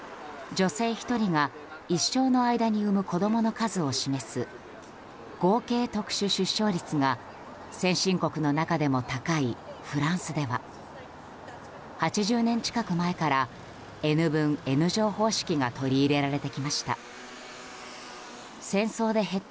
女性１人が一生の間に産む子供の数を示す合計特殊出生率が先進国の中でも高いフランスでは８０年近く前からＮ分Ｎ乗方式が取り入れられてきました。